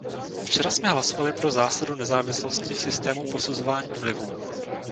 Včera jsme hlasovali pro zásadu nezávislosti v systému posuzování vlivů.